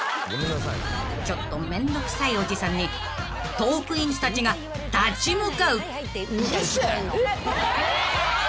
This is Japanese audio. ［ちょっとめんどくさいおじさんにトークィーンズたちが立ち向かう］